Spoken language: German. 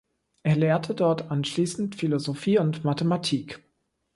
Er lehrte dort anschließend Philosophie und Mathematik.